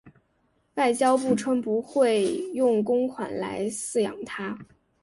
外交部称不会用公款来饲养它。